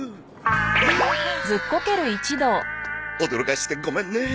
驚かしてごめんね！